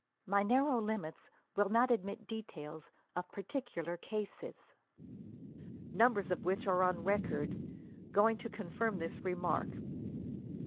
My narrow limits will not admit details of particular cases, numbers of which arc on record, going to confirm this remark.